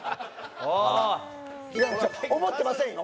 思ってませんよ。